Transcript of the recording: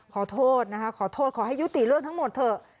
ขอโทษนะคะขอโทษขอให้ยุติเรื่องทั้งหมดเถอะ